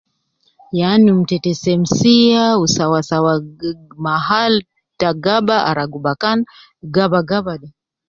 Yaa num Tete semsiya wu sawasawa mggg mahal ta gaba aragu bakan gaba gaba de.